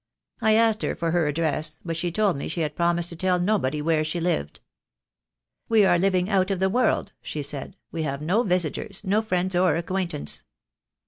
I asked her for her address, but she told me she had promised to tell nobody where she lived. 'We are living out of the world,' she said, 'we have no visitors, no friends or acquaintance.'